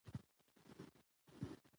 افغانستان کې هندوکش د خلکو د خوښې وړ ځای دی.